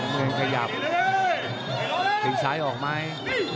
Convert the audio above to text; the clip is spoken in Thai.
มือขยับถือช้ายออกไหม